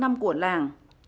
năm của làng